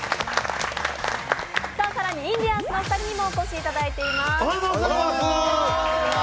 更にインディアンスのお二人にもお越しいただいております。